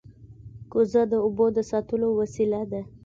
کوزه د اوبو د ساتلو وسیله ده